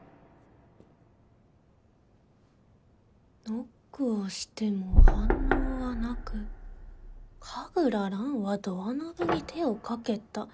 「ノックをしても反応はなく神楽蘭はドアノブに手を掛けた。